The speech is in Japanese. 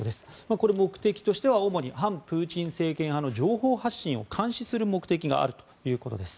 これは目的として、主に反プーチン政権派の情報発信を監視する目的があるということです。